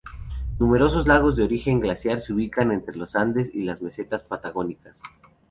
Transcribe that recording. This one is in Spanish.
Numerosos lagos de origen glaciar se ubican entre los Andes y las mesetas patagónicas.